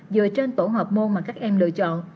dựa trên tổ hợp môn mà các em lựa chọn